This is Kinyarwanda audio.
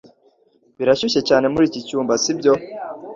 Birashyushye cyane muri iki cyumba sibyo